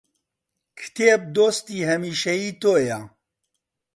کتێب دۆستی هەمیشەیی تۆیە